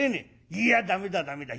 「いや駄目だ駄目だ。